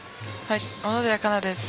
小野寺佳奈です。